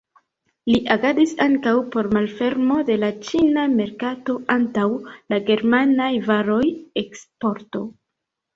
Li agadis ankaŭ por malfermo de la ĉina merkato antaŭ la germanaj varoj, eksporto.